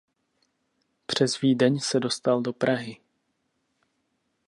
Přes Vídeň se dostal do Prahy.